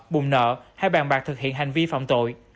bùm nợ hay bàn bạc thực hiện hành vi phạm tội